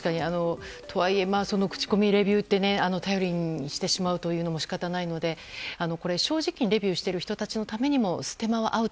口コミ、レビューって頼りにしてしまうのも仕方がないので正直にレビューしている人たちのためにもステマはアウト。